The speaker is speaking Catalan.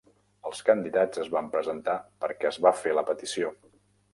Els candidats es van presentar perquè es va fer la petició.